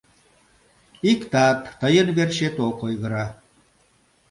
Иктат тыйын верчет ок ойгыро...